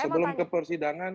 sebelum ke persidangan